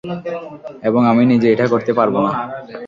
এবং আমি নিজে এটা করতে পারব না।